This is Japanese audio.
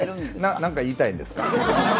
何か言いたいんですか？